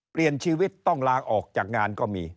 เปลี่ยนชีวิตต้องลาออกจากงานก็มี